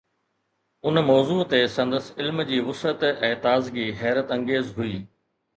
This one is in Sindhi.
ان موضوع تي سندس علم جي وسعت ۽ تازگي حيرت انگيز هئي.